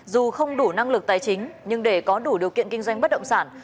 dù không đủ năng lực tài chính nhưng để có đủ điều kiện kinh doanh bất động sản